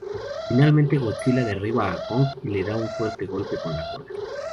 Finalmente Godzilla derriba a Kong y le da un fuerte golpe con la cola.